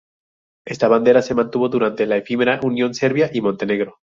Esta bandera se mantuvo durante la efímera unión Serbia y Montenegro.